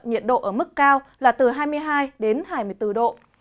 nhiệt độ ở mức cao là từ hai mươi hai đến hai mươi bốn độ